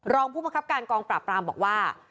รองผู้บังคับการกองปราบปรามบอกว่า